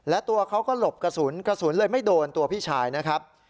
และตัวเขาก็หลบกระสุนกระสุนเลยไม่โดนตัวพี่ชายนะครับ